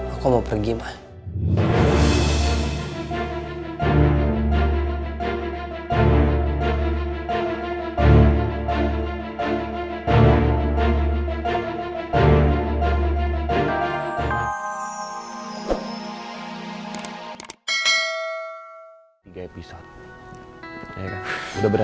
aku mau pergi man